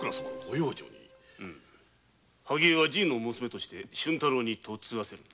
萩絵はじぃの娘として俊太郎に嫁がせる。